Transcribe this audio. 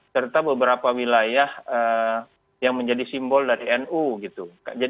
serta beberapa wilayah yang menjadi simbol dari nu gitu